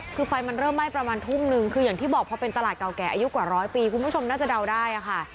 คือไฟมันเริ่มไหม้ประมาณทุ่มนึงคืออย่างที่บอกพอเป็นตลาดเก่าแก่อายุกว่าร้อยปีคุณผู้ชมน่าจะเดาได้ค่ะ